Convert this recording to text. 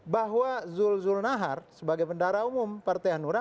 bahwa zulzul nahar sebagai bendahara umum partai hanura